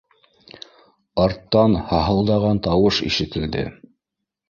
Арттан һаһылдаған тауыш ишетелде: